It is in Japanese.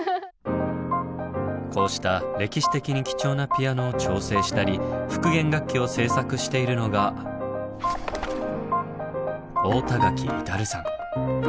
こうした歴史的に貴重なピアノを調整したり復元楽器を製作しているのが太田垣至さん。